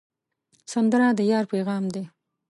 سندره د یار پیغام دی